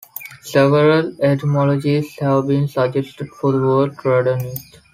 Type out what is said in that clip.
Several etymologies have been suggested for the word "Radhanite".